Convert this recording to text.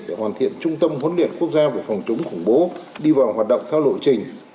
để hoàn thiện trung tâm huấn luyện quốc gia về phòng chống khủng bố đi vào hoạt động theo lộ trình